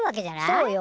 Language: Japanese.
そうよ。